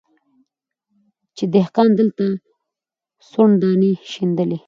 چي دهقان دلته د سونډ دانې شیندلې